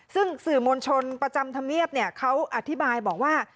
ซึ่งสื่อมวลชนประจำธรรมเนียบเขาอธิบายบอกว่า